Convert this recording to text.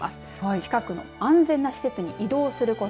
近くの安全な施設に移動すること。